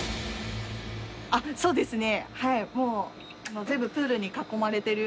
あっそうですね。